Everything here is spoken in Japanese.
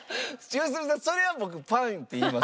良純さんそれは僕パンって言います。